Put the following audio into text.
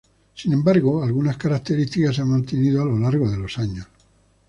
Sin embargo algunas características se han mantenido a lo largo de los años.